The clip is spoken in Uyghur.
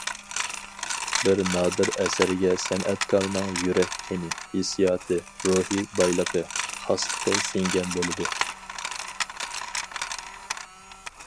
بىر نادىر ئەسەرگە سەنئەتكارنىڭ يۈرەك قېنى، ھېسسىياتى، روھىي بايلىقى، خاسلىقى سىڭگەن بولىدۇ.